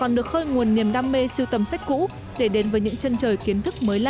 còn được khơi nguồn niềm đam mê siêu tầm sách cũ để đến với những chân trời kiến thức mới lạ